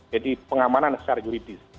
jadi pengamanan secara juridis